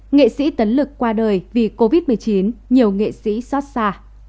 nghệ sĩ tấn lực qua đời vì covid một mươi chín nhiều nghệ sĩ xót xa